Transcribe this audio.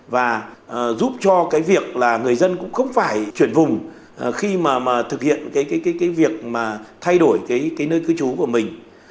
và giúp cho cái việc là người dân cũng không phải chuyển vùng khi mà thực hiện cái việc mà thay đổi cái nơi cư trú của mình